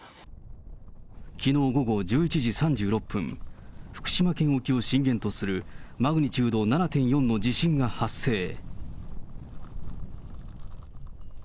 きのう午後１１時３６分、福島県沖を震源とするマグニチュード７．４の地震が発生。